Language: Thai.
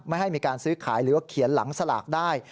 ไม่ให้มีการซื้อขายหรือว่าเขียนหลังสลากได้